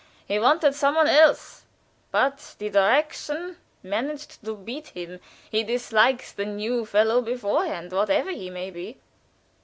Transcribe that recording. He wanted some one else, but Die Direktion managed to beat him. He dislikes the new fellow beforehand, whatever he may be."